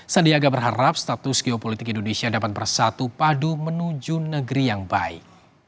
sandiaga berharap status geopolitik indonesia dapat bersatu padu menuju negeri yang baik